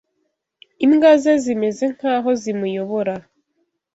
Imbwa ze zimeze nkaho zimuyobora